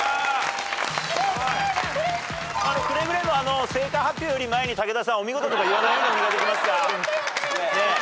くれぐれも正解発表より前に武田さん「お見事」とか言わないようにお願いできますか？